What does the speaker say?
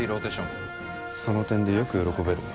その点でよく喜べるな。